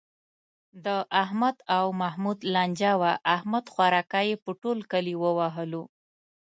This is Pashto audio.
د احمد او محمود لانجه وه، احمد خوارکی یې په ټول کلي و وهلو.